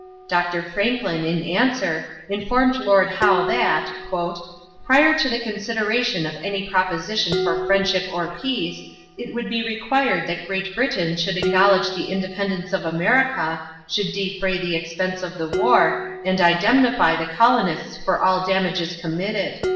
Dr. Franklin, in answer, informed Lord Howe that, "prior to the consideration of any proposition for friendship or peace, it would be required that Great Britain should acknowledge the independence of America, should defray the expense of the war, and indemnify, the colonists for all damages committed."